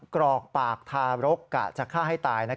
กรอกปากทารกกะจะฆ่าให้ตาย